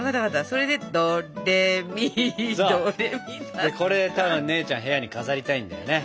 そうでこれただ姉ちゃん部屋に飾りたいんだよね。